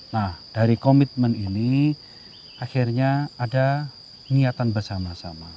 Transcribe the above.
nah dari komitmen ini akhirnya ada niatan bersama sama